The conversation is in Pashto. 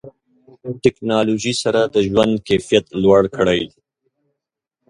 ټکنالوژي سره د ژوند کیفیت لوړ کړئ.